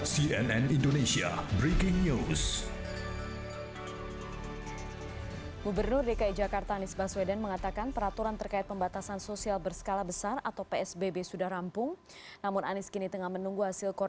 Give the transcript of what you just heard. cnn indonesia breaking news